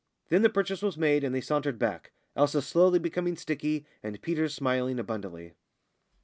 Then the purchase was made, and they sauntered back Elsa slowly becoming sticky, and Peters smiling abundantly.